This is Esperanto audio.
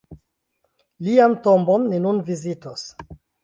Lian tombon ni nun vizitos.